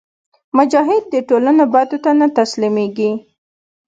مجاهد د ټولنې بدو ته نه تسلیمیږي.